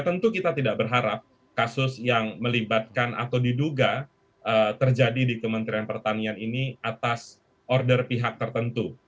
tentu kita tidak berharap kasus yang melibatkan atau diduga terjadi di kementerian pertanian ini atas order pihak tertentu